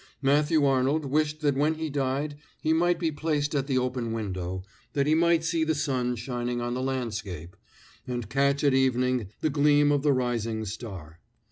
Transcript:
Matthew Arnold wished that when he died he might be placed at the open window, that he might see the sun shining on the landscape, and catch at evening the gleam of the rising star.